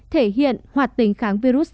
thể hiện hoạt tình kháng virus